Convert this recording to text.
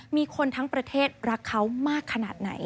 มีคนทั้งประเทศรักเขามากขนาดไหน